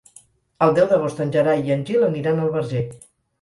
El deu d'agost en Gerai i en Gil aniran al Verger.